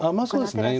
そうですね。